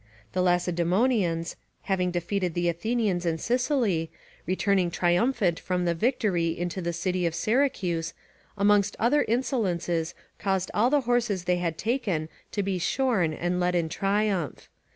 The Lacedaemonians, having defeated the Athenians in Sicily, returning triumphant from the victory into the city of Syracuse, amongst other insolences, caused all the horses they had taken to be shorn and led in triumph.